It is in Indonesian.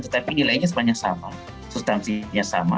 tetapi nilainya sepanjang sama sustansinya sama